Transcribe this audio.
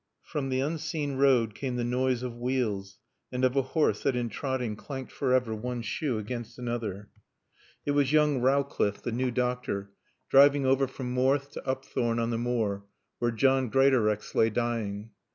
From the unseen road came the noise of wheels and of a horse that in trotting clanked forever one shoe against another. It was young Rowcliffe, the new doctor, driving over from Morthe to Upthorne on the Moor, where John Greatorex lay dying.